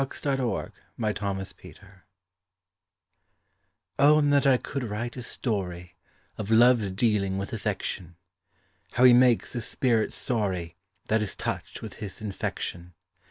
A Quarrel with Love Oh that I could write a story Of love's dealing with affection! How he makes the spirit sorry That is touch'd with his infection.